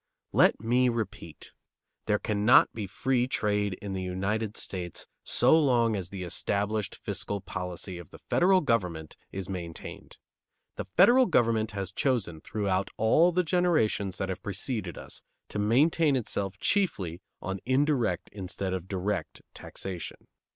Let me repeat: There cannot be free trade in the United States so long as the established fiscal policy of the federal government is maintained. The federal government has chosen throughout all the generations that have preceded us to maintain itself chiefly on indirect instead of direct taxation.